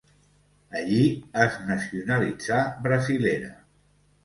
Allí es nacionalitzà brasilera.